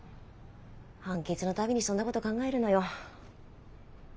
判決の度にそんな事考えるのよ。